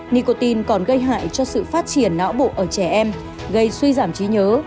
nicotin còn gây hại cho sự phát triển não bộ ở trẻ em gây suy giảm trí nhớ